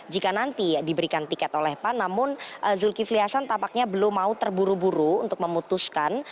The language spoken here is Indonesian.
jika nanti diberikan tiket oleh pan namun zulkifli hasan tampaknya belum mau terburu buru untuk memutuskan